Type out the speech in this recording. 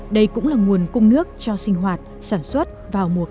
đây cũng là nguồn cung nước cho sinh hoạt sản xuất vào mùa cạn